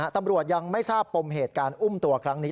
ตำรวจยังไม่ทราบปมเหตุการอุ้มตัวครั้งนี้